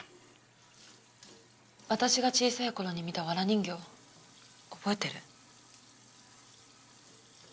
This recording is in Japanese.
私が小さいころに見たわら人形覚えてる？